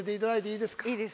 いいですか？